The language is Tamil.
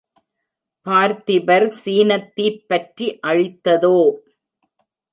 பார்த்திபர் சினத்தீப் பற்றி அழித்ததோ?